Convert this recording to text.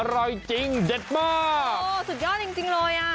อร่อยจริงเด็ดมากโอ้สุดยอดจริงจริงเลยอ่ะ